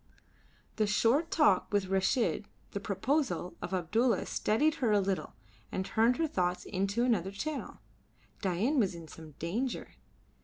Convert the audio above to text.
The short talk with Reshid, the proposal of Abdulla steadied her a little and turned her thoughts into another channel. Dain was in some danger.